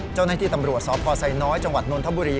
เจ้าหน้าที่ตำรวจสพไซน้อยจังหวัดนนทบุรี